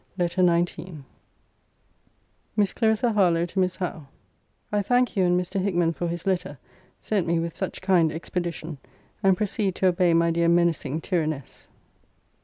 LETTER XIX MISS CLARISSA HARLOWE, TO MISS HOWE I thank you and Mr. Hickman for his letter, sent me with such kind expedition; and proceed to obey my dear menacing tyranness.